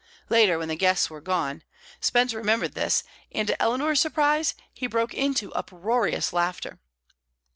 Later, when the guests were gone, Spence remembered this, and, to Eleanor's surprise, he broke into uproarious laughter.